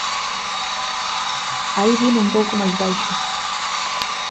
Aí vino un pouco máis baixo.